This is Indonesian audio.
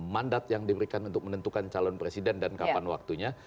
mandat yang diberikan untuk menentukan calon presiden dan kapan waktunya